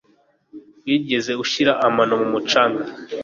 wigeze ushyira amano mu mucanga